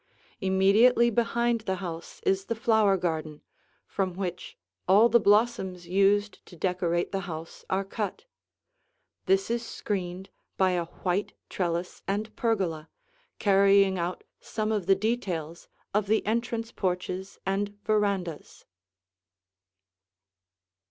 Immediately behind the house is the flower garden, from which all the blossoms used to decorate the house are cut; this is screened by a white trellis and pergola, carrying out some of the details of the entrance porches and verandas.